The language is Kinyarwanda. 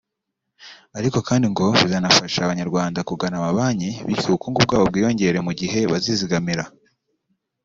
ariko kandi ngo bizanafasha abanyarwanda kugana amabanki bityo ubukungu bwabo bwiyongere mu gihe bazizigamira